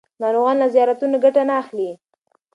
ناروغان له زیارتونو ګټه نه اخلي.